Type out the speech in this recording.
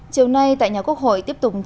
chiều nay tại nhà quốc hội tiếp tục chương trình